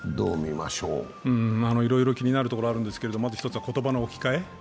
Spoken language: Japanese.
いろいろ気になるところあるんですけど、まず１つは言葉の置き換え。